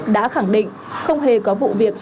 đã khẳng định không hề có vụ việc